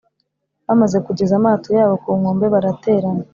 Bamaze kugeza amato yabo ku nkombe, baraterana.